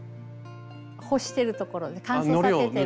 干してるところで乾燥させてる。